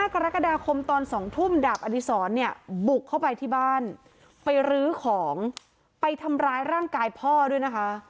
กรกฎาคมตอน๒ทุ่มดาบอดีศรเนี่ยบุกเข้าไปที่บ้านไปรื้อของไปทำร้ายร่างกายพ่อด้วยนะคะ